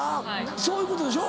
そういうことでしょ。